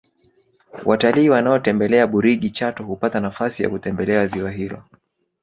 Watalii wanaotembelea burigi chato hupata nafasi ya kutembelea ziwa hilo